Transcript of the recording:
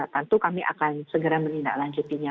tentu kami akan segera menindaklanjutinya